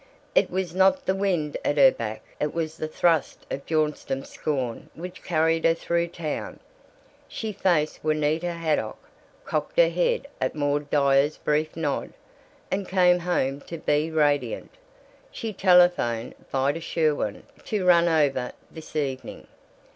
It was not the wind at her back, it was the thrust of Bjornstam's scorn which carried her through town. She faced Juanita Haydock, cocked her head at Maud Dyer's brief nod, and came home to Bea radiant. She telephoned Vida Sherwin to "run over this evening."